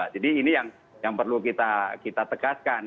jadi ini yang perlu kita tegaskan